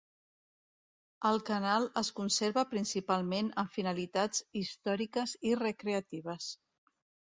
El canal es conserva principalment amb finalitats històriques i recreatives.